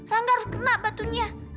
rangga harus kena batunya